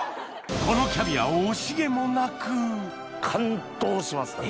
このキャビアを惜しげもなく感動しますから。